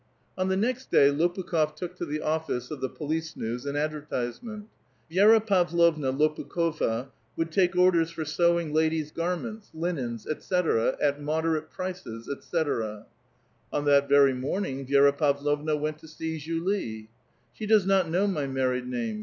On the next day Lopukh6f took to the office of the " Police News" an advertisement: " Vi^ra Pavlovna Lopukh6va would take orders for sewing ladies' garments, linen, etc., at moderate prices, etc." On that very morning Vi^ra Pavlovna went to see Julie. " She does not know my married name.